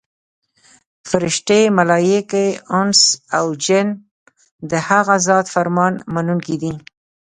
فرښتې، ملایکې، انس او جن د هغه ذات فرمان منونکي دي.